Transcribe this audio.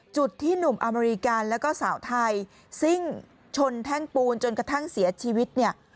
จุดที่หนุ่มอเมริกาแล้วก็สาวไทยซิ่งชนแท่งปูนจนกระทั่งเสียชีวิตเนี่ย